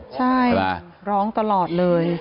ใช่ร้องตลอดเลย